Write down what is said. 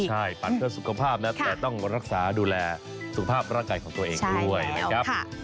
ใช่ปัดเพื่อสุขภาพนะแต่ต้องรักษาดูแลสุขภาพร่างกายของตัวเองด้วยนะครับ